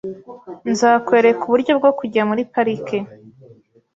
Nzakwereka uburyo bwo kujya muri parike .